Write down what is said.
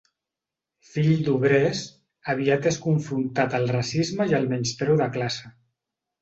Fill d'obrers, aviat és confrontat al racisme i al menyspreu de classe.